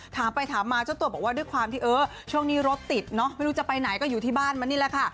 ถามไปถามมาเจ้าตัวบอกว่าด้วยความที่เออช่วงนี้รถติดเนอะไม่รู้จะไปไหนก็อยู่ที่บ้านมันนี่แหละค่ะ